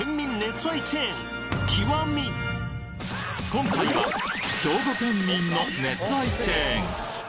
今回は兵庫県民の熱愛チェーン